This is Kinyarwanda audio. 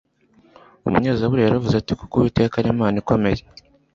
umunyezaburi yaravuze ati kuko uwiteka ari imana ikomeye